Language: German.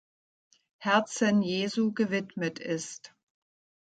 Herzen Jesu gewidmet ist.